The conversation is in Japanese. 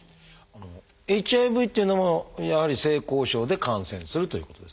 ＨＩＶっていうのもやはり性交渉で感染するということですか？